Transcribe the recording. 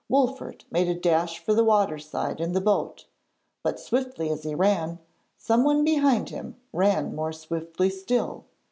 Wolfert made a dash for the water side and the boat, but, swiftly as he ran, someone behind him ran more swiftly still.